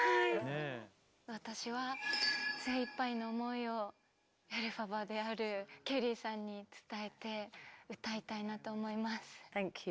私は精いっぱいの思いをエルファバであるケリーさんに伝えて歌いたいなと思います。